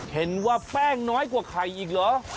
เห็นว่าแป้งน้อยกว่าไข่อีกเหรอ